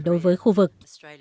đối với khu vực